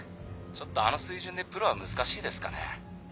ちょっとあの水準でプロは難しいですかね。